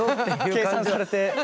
計算されて。